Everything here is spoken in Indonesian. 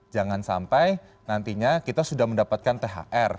jangan sampai nantinya kita sudah mendapatkan thr